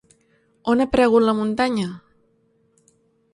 On ha aparegut la muntanya?